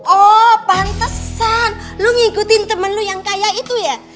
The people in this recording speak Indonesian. oh pantesan lu ngikutin temen lu yang kaya itu ya